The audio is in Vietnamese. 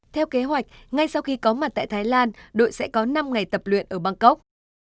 theo kế hoạch ngay sau khi có mặt tại thái lan đội sẽ có năm ngày tập luyện ở bangkok